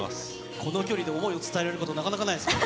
この距離で思いを伝えられること、なかなかないですよね。